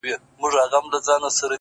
ه ستا د غزل سور له تورو غرو را اوړي،